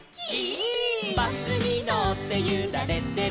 「バスにのってゆられてる」